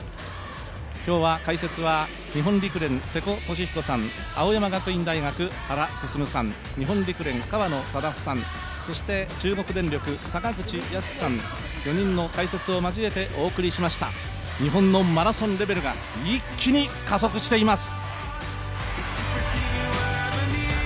今日は解説は日本陸連、瀬古利彦さん、青山学院大学、原晋さん日本陸連、河野匡さん、そして中国電力・坂口泰さん、４人の解説を交えてお送りしました日本のマラソンレベルが一気に加速しています。